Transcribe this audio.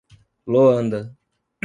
Loanda